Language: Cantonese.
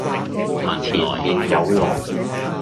前面有落